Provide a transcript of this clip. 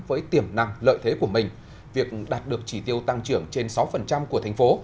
với tiềm năng lợi thế của mình việc đạt được chỉ tiêu tăng trưởng trên sáu của thành phố